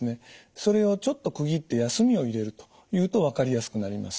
それをちょっと区切って休みを入れるというと分かりやすくなります。